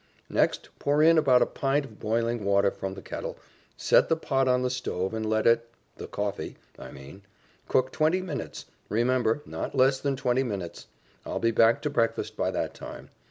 Next pour in about a pint of boiling water from the kettle, set the pot on the stove and let it the coffee, I mean cook twenty minutes, remember, not less than twenty minutes. I'll be back to breakfast by that time.